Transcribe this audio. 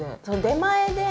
出前で。